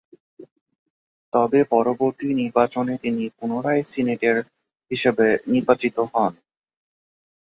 তবে পরবর্তী নির্বাচনে তিনি পুনরায় সিনেটর হিসেবে নির্বাচিত হন।